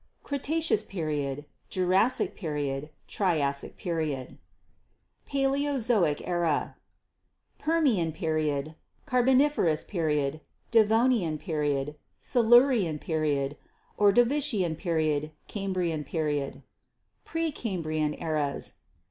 f Cretaceous Period Jurassic Period Triassic Period ' Permian Period Carboniferous Period Devonian Period Silurian Period Ordovician Period Cambrian Period Pre Cambrian Eras.